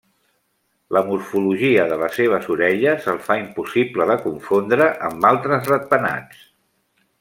La morfologia de les seves orelles el fa impossible de confondre amb altres ratpenats.